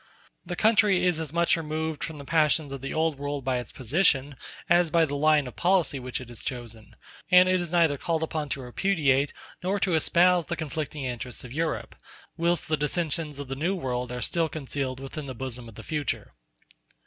The country is as much removed from the passions of the Old World by its position as by the line of policy which it has chosen, and it is neither called upon to repudiate nor to espouse the conflicting interests of Europe; whilst the dissensions of the New World are still concealed within the bosom of the future.